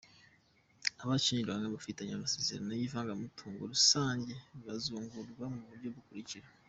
Abashyingiranywe bafitanye amasezerano y’ivangamutungo rusange bazungurwa mu buryo bukurikira:.